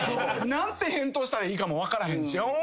何て返答したらいいかも分からへんし。